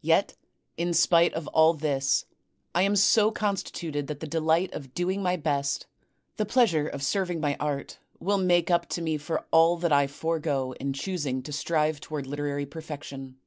Yet in spite of all this, I am so constituted that the delight of doing my best, the pleasure of serving my art, will make up to me for all that I forego in choosing to strive toward literary perfection.